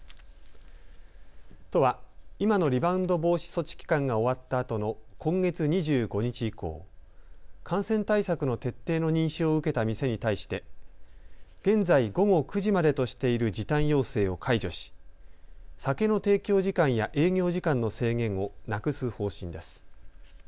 都は今のリバウンド防止措置期間が終わったあとの今月２５日以降、感染対策の徹底の認証を受けた店に対して現在、午後９時までとしている時短要請を解除し酒の提供時間や営業時間の制限をなくす方針です。